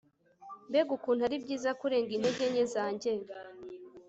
mbega ukuntu ari byiza kurenga intege nke zanjye